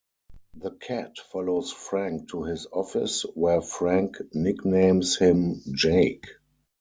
The cat follows Frank to his office, where Frank nicknames him Jake.